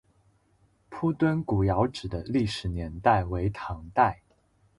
铺墩古窑址的历史年代为唐代。